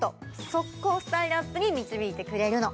速攻スタイルアップに導いてくれるの。